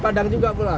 padang juga pulang